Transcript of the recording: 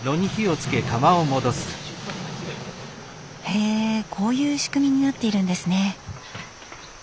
へえこういう仕組みになっているんですね。